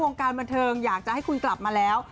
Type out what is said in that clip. การบันเทิงอยากจะให้คุณกลับมาแล้ว